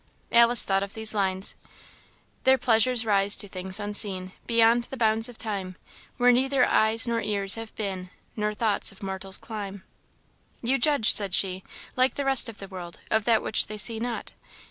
Alice thought of these lines, "Their pleasures rise to things unseen, Beyond the bounds of time: Where neither eyes nor ears have been, Nor thoughts of mortals climb." "You judge," said she, "like the rest of the world, of that which they see not.